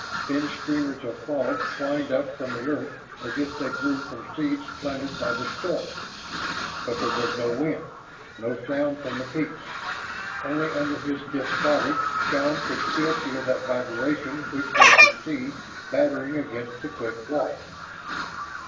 Thin streamers of fog twined up from the earth as if they grew from seeds planted by the storm. But there was no wind, no sound from the peaks. Only under his stiff body Shann could still feel that vibration which was the sea battering against the cliff wall.